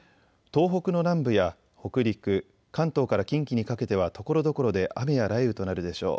東北の南部や北陸、関東から近畿にかけてはところどころで雨や雷雨となるでしょう。